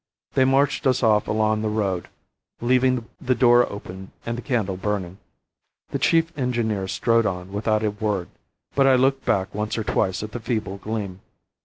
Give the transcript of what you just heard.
They marched us off along the road, leaving the door open and the candle burning. The chief engineer strode on without a word, but I looked back once or twice at the feeble gleam.